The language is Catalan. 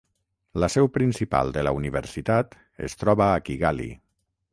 La seu principal de la universitat es troba a Kigali.